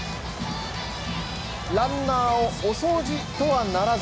ランナーをお掃除とはならず。